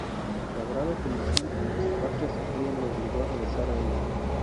La grave conmoción que su patria sufría lo obligó a regresar a ella.